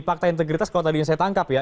fakta integritas kalau tadi yang saya tangkap ya